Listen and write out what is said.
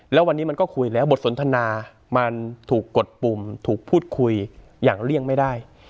แล้ววันนี้มันก็คุยแล้วบทสนทนามันถูกกดปุ่มถูกพูดคุยอย่างเลี่ยงไม่ได้